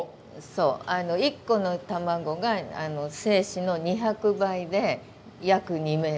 そう一個の卵があの精子の２００倍で約２ｍ。